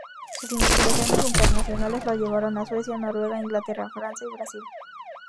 Sus investigaciones internacionales lo llevaron a Suecia, Noruega, Inglaterra, Francia y Brasil.